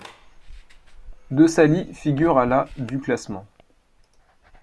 Desailly figure à la du classement.